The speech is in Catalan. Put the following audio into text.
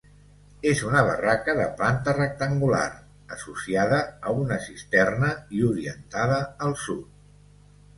És una barraca de planta rectangular, associada a una cisterna i orientada al sud.